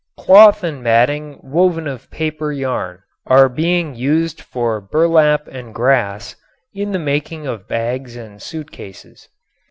Cloth and matting woven of paper yarn are being used for burlap and grass in the making of bags and suitcases.